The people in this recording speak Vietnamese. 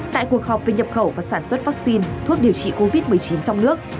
tại cuộc họp về nhập khẩu và sản xuất vaccine thuốc điều trị covid một mươi chín trong nước